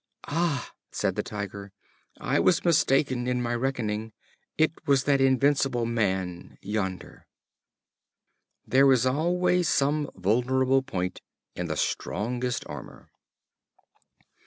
"Ah!" says the Tiger, "I was mistaken in my reckoning: it was that invincible man yonder." There is always some vulnerable point in the strongest armor.